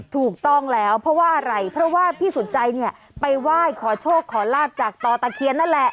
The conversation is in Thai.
ถูกต้องแล้วเพราะว่าอะไรเพราะว่าพี่สุดใจเนี่ยไปไหว้ขอโชคขอลาบจากต่อตะเคียนนั่นแหละ